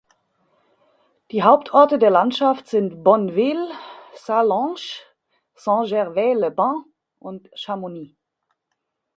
Die Hauptorte der Landschaft sind Bonneville, Sallanches, Saint-Gervais-les-Bains und Chamonix.